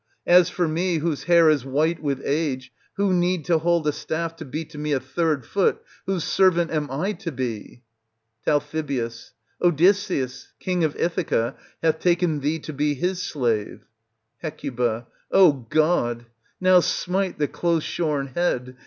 As for me whose hair is white with age, who need to hold a staff to be to me a third foot, whose servant am ! to be? Tal. Odysseus, king of Ithaca, hath taken thee to be his slave. Hec. O God ! Now smite the close shorn head